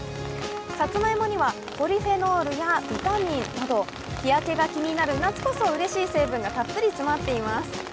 さつまいもにはポリフェノールやビタミンなど日焼けが気になる夏こそうれしい成分がたっぷり詰まっています。